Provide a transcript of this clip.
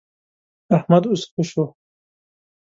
احمد اوس ښه شو.